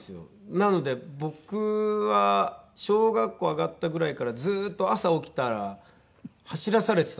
なので僕は小学校上がったぐらいからずっと朝起きたら走らされてたんですよね。